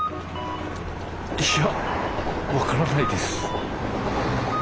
いや分からないです。